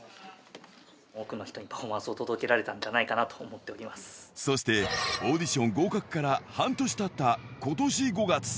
多くの人にパフォーマンスを届けられたんじゃないかなと思っそして、オーディション合格から半年たったことし５月。